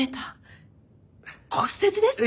骨折ですか？